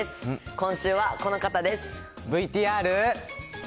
今週はこの方です。